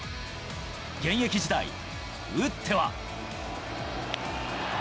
現役時代、打っては。